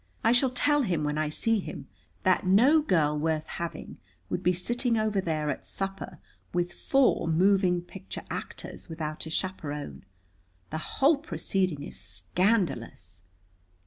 I shall tell him, when I see him, that no girl worth having would be sitting over there at supper with four moving picture actors without a chaperon. The whole proceeding is scandalous.